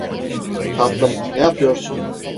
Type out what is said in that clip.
Tatlım, ne yapıyorsun?